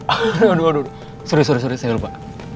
aduh aduh aduh sorry sorry sorry saya lupa